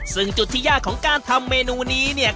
ซึ่งจุดที่ยากของการทำเมนูนี้เนี่ย